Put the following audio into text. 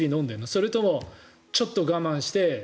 それともちょっと我慢して。